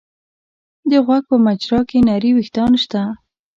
د غوږ په مجرا کې نري وېښتان شته.